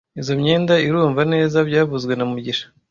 Izoi myenda irumva neza byavuzwe na mugisha